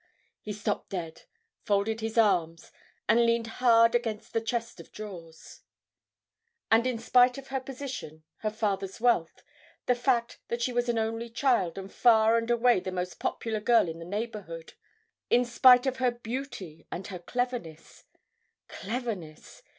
Ah!... He stopped dead, folded his arms, and leaned hard against the chest of drawers. And in spite of her position, her father's wealth, the fact that she was an only child and far and away the most popular girl in the neighbourhood; in spite of her beauty and her cleverness—cleverness!